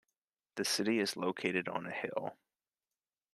The city is located on a hill.